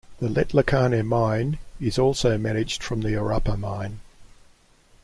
The Letlhakane mine is also managed from the Orapa mine.